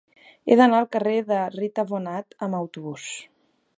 He d'anar al carrer de Rita Bonnat amb autobús.